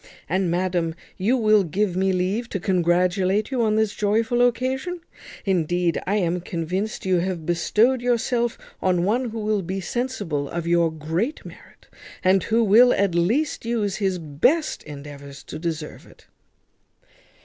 And, madam, you will give me leave to congratulate you on this joyful occasion: indeed, I am convinced you have bestowed yourself on one who will be sensible of your great merit, and who will at least use his best endeavours to deserve it."